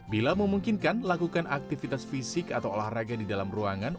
bila memungkinkan lakukan aktivitas fisik atau olahraga di dalam ruangan